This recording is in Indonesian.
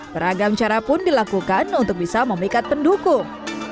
beragam cara pun dilakukan untuk bisa memikat pendukung